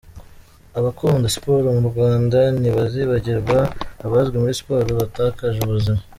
Abakunda Siporo mu Rwanda, ntibazibagirwa Abazwi muri Siporo batakaje ubuzima.